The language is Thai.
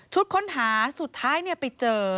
พรุธค้นหาสุดท้ายเนี่ยไปเจอ